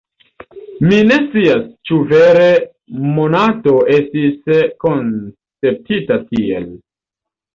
Mi ne scias, ĉu vere Monato estis konceptita tiel.